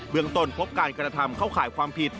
เบื้องตนพบการการธรรมเข้าข่ายความผิด